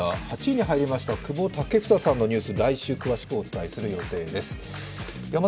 ８位に入りました久保建英さんのニュース来週詳しくお伝えする予定です。